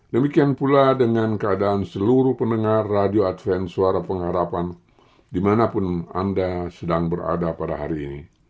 demikian pula dengan keadaan seluruh pendengar radio advent suara pengharapan dimanapun anda sedang berada pada hari ini